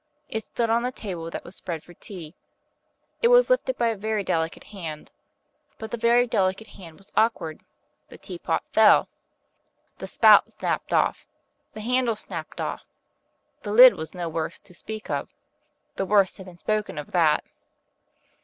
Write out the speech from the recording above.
It stood on the table that was spread for tea, it was lifted by a very delicate hand; but the very delicate hand was awkward, the Teapot fell. The spout snapped off, the handle snapped off; the lid was no worse to speak of the worst had been spoken of that.